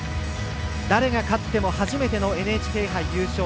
誰が勝っても初めてのＮＨＫ杯優勝。